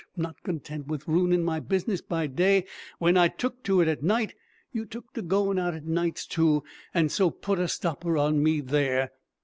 not content with ruinin' my business by day, when I took to it at night; you took to goin' out at nights too, and so put a stopper on me there!